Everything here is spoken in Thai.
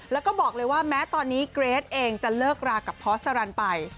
แล้วก็บอกเลยว่าแม้ตอนนี้เกรทเองจะเลิกรากับพอสรรค์ไป